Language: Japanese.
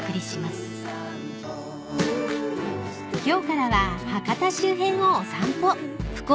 ［今日からは博多周辺をお散歩］